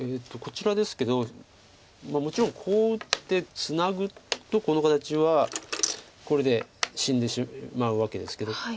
こちらですけどもちろんこう打ってツナぐとこの形はこれで死んでしまうわけですけど。